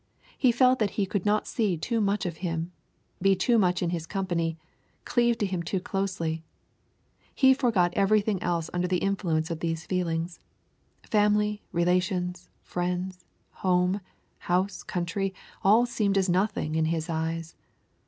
He felt that he could not see too much of Him, be too much in His company, cleave to Him too closely. He forgot every thing else under the influence of these feelings. Fam ily, relations, friends, home, house, country, all seemed as nothing in his eyes.